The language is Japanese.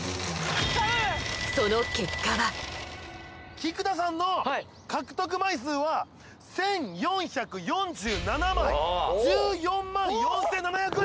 その菊田さんの獲得枚数は１４４７枚１４万４７００円